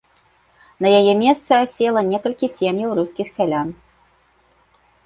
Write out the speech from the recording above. На яе месцы асела некалькі сем'яў рускіх сялян.